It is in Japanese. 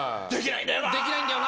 できないんだよな。